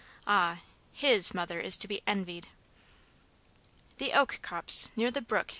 Ah, his mother is to be envied!" "The oak copse! Near the brook!"